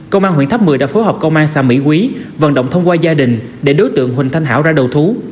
công an huyện tháp một mươi đã phối hợp công an xã mỹ quý vận động thông qua gia đình để đối tượng huỳnh thanh hảo ra đầu thú